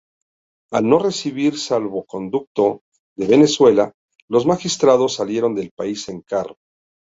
Al no recibir salvoconducto de Venezuela, los magistrados salieron del país en carro.